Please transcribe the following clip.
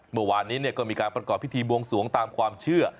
เมื่อวานนี้ก็มีการประกอบพิธีบวงสวงตามความเชื่อ